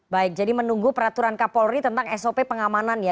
baik jadi menunggu peraturan kapolri tentang sop pengamanan ya